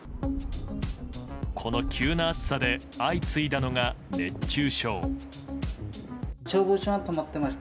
この急な暑さで相次いだのが熱中症。